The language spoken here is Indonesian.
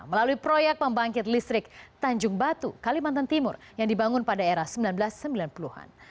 melalui proyek pembangkit listrik tanjung batu kalimantan timur yang dibangun pada era seribu sembilan ratus sembilan puluh an